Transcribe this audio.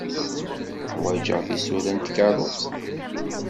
Ḥwajeɣ tisura n tkeṛṛust.